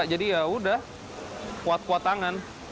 ya udah kuat kuat tangan